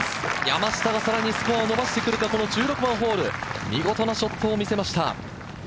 山下がさらにスコアを伸ばしてくるか、この１６番ホール、見事なショットを見せました。